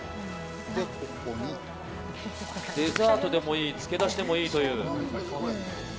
デザートでもいいつきだしでもいいという。